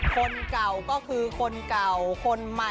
คนเก่าก็คือคนเก่าคนใหม่